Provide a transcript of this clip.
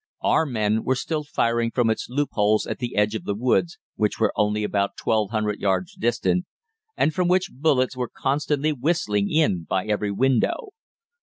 "Our men were still firing from its loopholes at the edge of the woods, which were only about 1,200 yards distant, and from which bullets were continually whistling in by every window.